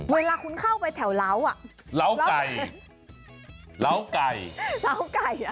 เวลาคุณเข้าไปแถวล้าวล้าวไก่ล้าวไก่ล้าวไก่